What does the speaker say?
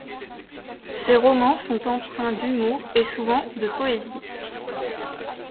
Ses romans sont empreints d'humour et souvent de poésie.